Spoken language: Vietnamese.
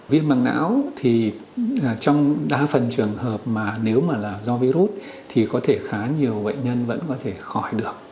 viêm mảng não thì trong đa phần trường hợp mà nếu mà là do virus thì có thể khá nhiều bệnh nhân vẫn có thể khỏi được